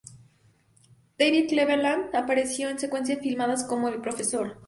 David Cleveland apareció en secuencias filmadas como "El Profesor".